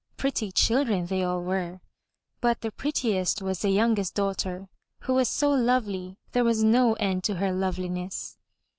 Pretty children they all were, but the prettiest was the youngest daughter, who was so lovely there was no end to her loveliness.